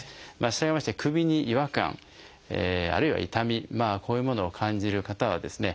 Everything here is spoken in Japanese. したがいまして首に違和感あるいは痛みこういうものを感じる方はですね